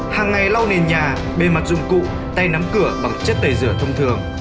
hàng ngày lau nền nhà bề mặt dụng cụ tay nắm cửa bằng chất tẩy rửa thông thường